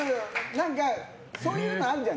何かそういうのあんじゃん。